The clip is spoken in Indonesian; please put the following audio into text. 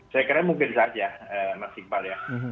saya kira mungkin saja mas iqbal ya